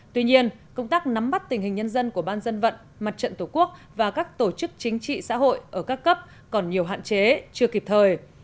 tuy nhiên công tác nắm bắt tình hình nhân dân của ban dân vận mặt trận tổ quốc và các tổ chức chính trị xã hội ở các cấp còn nhiều hạn chế chưa kịp thời